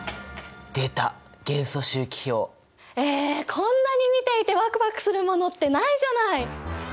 こんなに見ていてワクワクするものってないじゃない！？